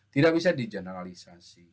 tidak bisa dijeneralisasi